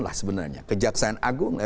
lah sebenarnya kejaksaan agung